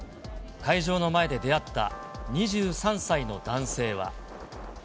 会場の前で出会った２３歳の男性は。